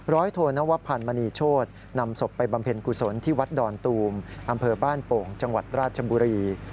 โทนวพันธ์มณีโชธนำศพไปบำเพ็ญกุศลที่วัดดอนตูมอำเภอบ้านโป่งจังหวัดราชบุรี